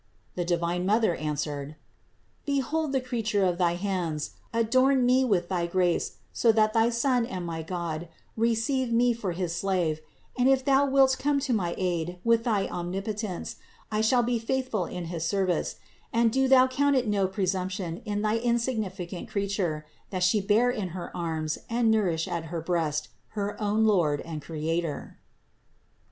The divine Mother answered : "Behold the crea ture of thy hands, adorn me with thy grace so that thy Son and my God receive me for his slave; and if Thou wilt come to my aid with thy Omnipotence, I shall be faithful in his service ; and do Thou count it no presump tion in thy insignificant creature, that she bear in her arms and nourish at her breast her own Lord and Creator."